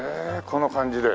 この感じで。